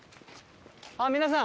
あっ皆さん！